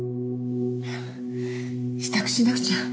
支度しなくちゃ。